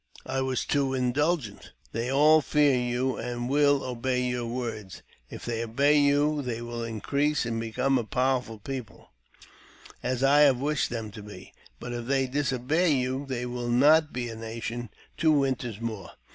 I was too indulgent. They all fear you, and will obey your words. If they obey you, they will increase and become a powerful people, as I have wished them to be ; but if they disobey you, they will not be a nation two winters more.